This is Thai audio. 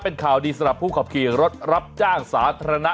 เป็นข่าวดีสำหรับผู้ขับขี่รถรับจ้างสาธารณะ